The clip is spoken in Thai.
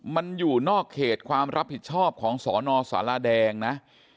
มันอยู่นอกเขตความรับผิดชอบของสนสารแดงนะ